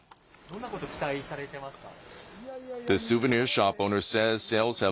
どんなことに期待されていますか。